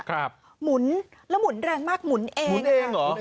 หมุนแล้วหมุนแรงมากหมุนเองหมุนเองเหรอ